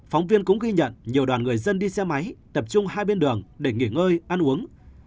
phóng viên cũng ghi nhận nhiều đoàn người dân đi xe máy tập trung hai bên đường để nghỉ ngơi ăn uống